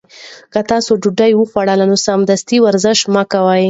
که تاسي ډوډۍ وخوړه نو سمدستي ورزش مه کوئ.